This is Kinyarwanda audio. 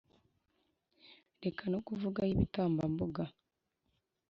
reka no kuvuga ay’ibitambambuga,